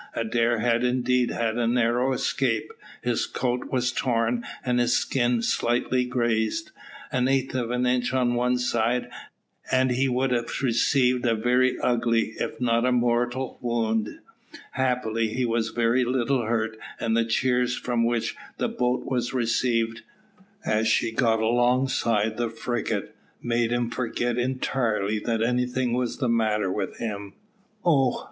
Adair had indeed had a narrow escape; his coat was torn and his skin slightly grazed. An eighth of an inch on one side, and he would have received a very ugly, if not a mortal, wound. Happily he was very little hurt, and the cheers with which the boat was received, as she got alongside the frigate, made him forget entirely that anything was the matter with him. "Oh!